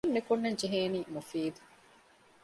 ގެއިން ނުކުންނަން ޖެހޭނީ މުފީދު